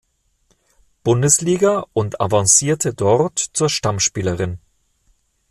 Bundesliga und avancierte dort zur Stammspielerin.